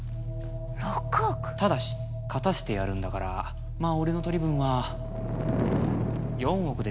ただし勝たせてやるんだからまあ俺の取り分は４億で手を打ってやるよ